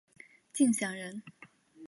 敬翔人。